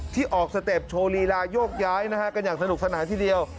ที่ออกสเต็ปโชว์ลีลายกย้ายนะฮะกันอย่างสนุกสนานทีเดียว